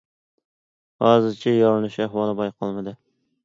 ھازىرچە يارىلىنىش ئەھۋالى بايقالمىدى.